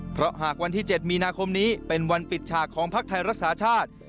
เพราะหากวันที่๗มีนาคมนี้เป็นวันปิดฉากของพักไทยรักษาชาติ